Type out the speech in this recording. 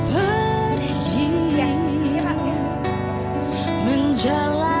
pak ini pak